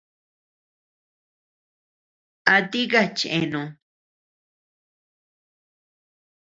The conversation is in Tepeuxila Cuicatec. ¿A tika cheanud?